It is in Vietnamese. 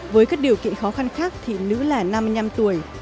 với các điều kiện khó khăn khác thì nữ là năm mươi năm tuổi